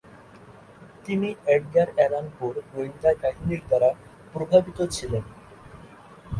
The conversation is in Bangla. তিনি এডগার অ্যালান পো'র গোয়েন্দা কাহিনীর দ্বারা প্রভাবিত ছিলেন।